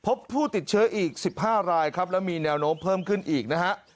พบผู้ติดเชื้ออีก๑๕รายครับแล้วมีแนวโน้มเพิ่มขึ้นอีกนะฮะ